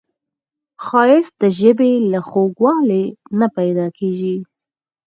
ښایست د ژبې له خوږوالي نه پیداکیږي